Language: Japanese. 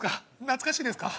懐かしいですか？